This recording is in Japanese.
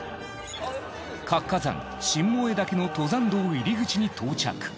活火山新燃岳の登山道入り口に到着。